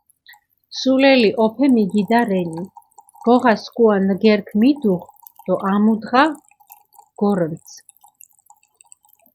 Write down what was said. სულელი ჸოფე მიგიდა რენი, გოღა სქუა ნგერქჷ მიდუღჷ დო ამუდღა გორჷნცჷ.